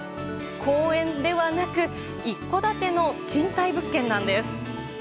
公園ではなく一戸建ての賃貸物件なんです。